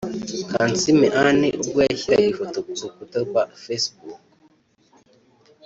Kansiime Anne ubwo yashyiraga ifoto ku rukuta rwa Facebook